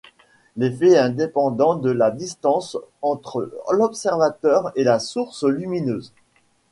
L'effet est indépendant de la distance entre l'observateur et la source lumineuse.